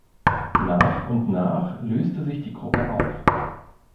Nach und nach löste sich die Gruppe auf.